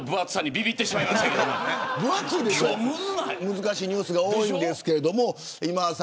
難しいニュースが多いんですけど今田さん